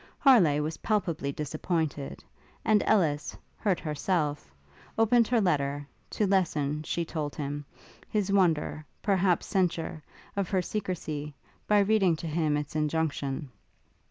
Harleigh was palpably disappointed; and Ellis, hurt herself, opened her letter, to lessen, she told him, his wonder, perhaps censure, of her secresy, by reading to him its injunction.